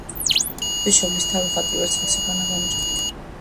ღვთისმშობლის თავი ხატი ვერცხლისგანაა გამოჭედილი.